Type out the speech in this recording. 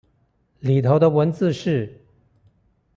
裡頭的文字是